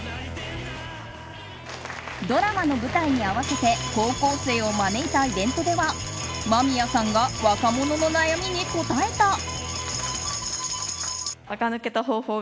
ドラマの舞台に合わせて高校生を招いたイベントでは間宮さんが若者の悩みに答えた。